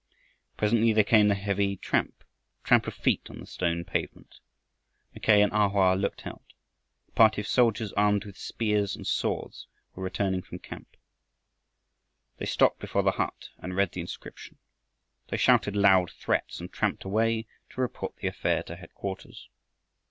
Presently there came the heavy tramp, tramp of feet on the stone pavement. Mackay and A Hoa looked out. A party of soldiers, armed with spears and swords, were returning from camp. They stopped before the hut and read the inscription. They shouted loud threats and tramped away to report the affair to headquarters.